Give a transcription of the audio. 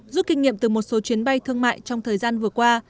rút kinh nghiệm từ một số chuyến bay thương mại trong thời gian vừa qua